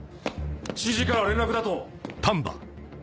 知事から連絡だと？